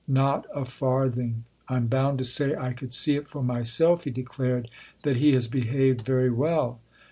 " Not a farthing. I'm bound to say I could see it for myself," he declared, "that he has behaved very well."